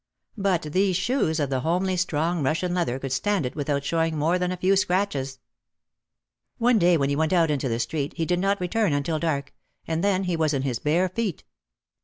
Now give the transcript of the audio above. But these shoes of the homely strong Russian leather could stand it without showing more than a few scratches. One day when he went out into the street he did not return until dark, and then he was in his bare feet.